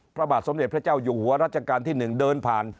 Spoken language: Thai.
พระบาทสมเด็จพระเจ้าอยู่หัวรัชกาลที่๑เดินผ่าน